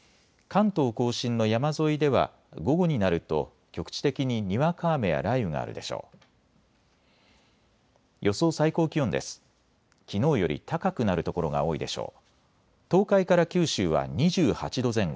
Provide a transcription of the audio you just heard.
関東甲信の山沿いでは午後になると局地的ににわか雨や雷雨があるでしょう。